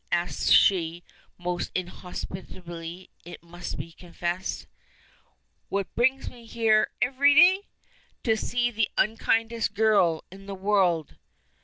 asks she, most inhospitably it must be confessed. "What brings me here every day? To see the unkindest girl in the world."